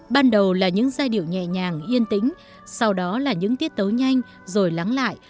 ban đầu là những giai điệu nhẹ nhàng yên tĩnh sau đó là những tiết tấu nhanh rồi lắng lại